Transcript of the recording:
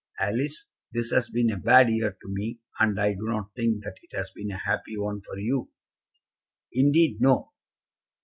Alice, this has been a bad year to me, and I do not think that it has been a happy one for you." "Indeed, no."